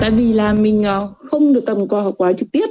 tại vì là mình không được tầm quà hoặc quà trực tiếp